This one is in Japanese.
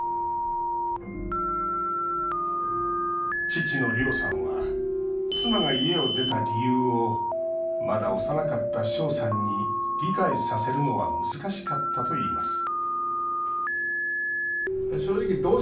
父の亮さんは妻が家を出た理由をまだ幼かった翔さんに理解させるのは難しかったといいます